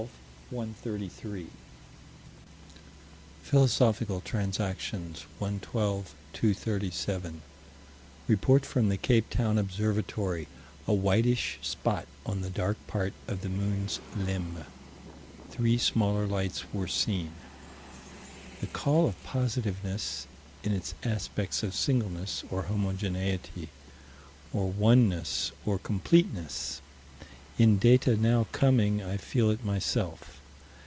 Phil. Trans., 112 237: Report from the Cape Town Observatory: a whitish spot on the dark part of the moon's limb. Three smaller lights were seen. The call of positiveness, in its aspects of singleness, or homogeneity, or oneness, or completeness. In data now coming, I feel it myself.